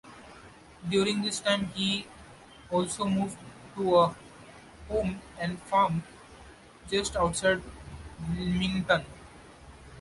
During this time he also moved to a home and farm just outside Wilmington.